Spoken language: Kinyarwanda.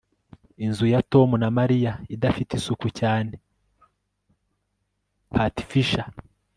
Inzu ya Tom na Mariya idafite isuku cyane patgfisher